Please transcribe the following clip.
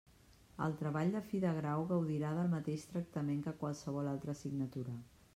El treball de fi de grau gaudirà del mateix tractament que qualsevol altra assignatura.